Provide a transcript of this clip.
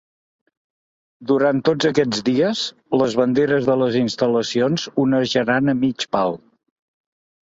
Durant tots aquests dies, les banderes de les instal·lacions onejaran a mig pal.